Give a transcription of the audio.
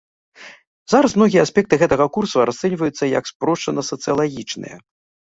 Зараз многія аспекты гэтага курса расцэньваюцца як спрошчана-сацыялагічныя.